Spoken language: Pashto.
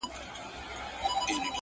څو شپې ورځي وو په غره کي ګرځېدلی،